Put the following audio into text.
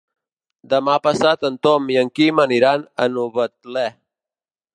Demà passat en Tom i en Quim aniran a Novetlè.